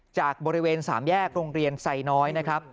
จากบริเวณสามแยกโรงเรียนไซน์น้อย